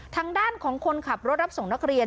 ทางด้านของคนขับรถรับส่งนักเรียน